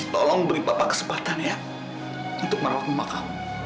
tolong beri papa kesempatan ya untuk merawat mamakamu